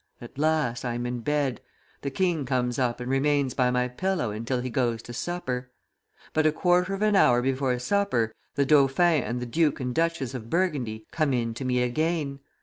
At last I am in bed. The king comes up and remains by my pillow until he goes to supper. But a quarter of an hour before supper, the dauphin and the Duke and Duchess of Burgundy come in to me again.